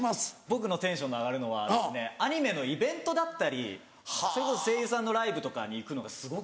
僕のテンションの上がるのはアニメのイベントだったりそれこそ声優さんのライブとかに行くのがすごく好きで。